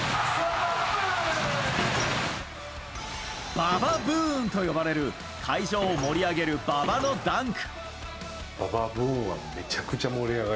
ＢＡＢＡＢＯＯＭと呼ばれる会場を盛り上げる馬場のダンク。